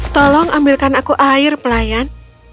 tolong ambilkan aku air pelayan